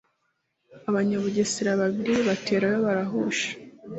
Abanyabugesera babiri baterayo barahusha